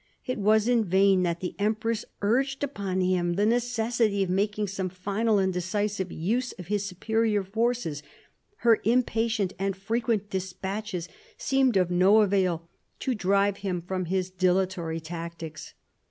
It was in vain that the empress urged upon him the necessity of making some final and decisive use of his superior forces; her impatient and frequent despatches seemed of no avail to drive him from his dilatory tactics.